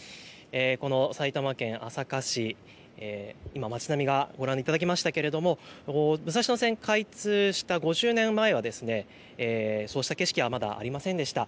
きょうは埼玉県朝霞市、今、町並みをご覧いただきましたが武蔵野線、開通した５０年前はそうした景色はまだありませんでした。